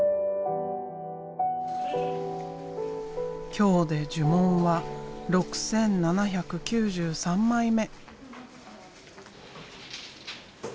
今日で呪文は６，７９３枚目。